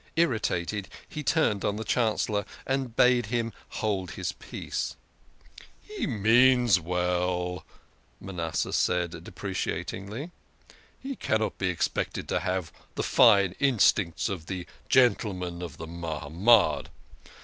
Irritated, he turned on the Chancellor, and bade him hold his peace. " He means well," said Manasseh deprecatingly. " He cannot be expected to have the fine instincts of the gentle men of the Mahamad.